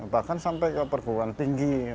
bahkan sampai perguruan tinggi